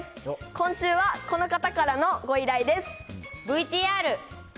今週はこの方からのご依頼です。